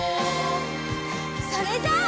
それじゃあ。